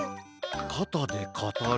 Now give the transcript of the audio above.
かたでかたる。